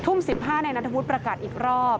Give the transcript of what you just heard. ทุ่มสิบห้าในนัทพุธประกาศอีกรอบ